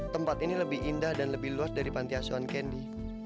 tempat ini lebih indah dan lebih luas dari panti asuhan kendi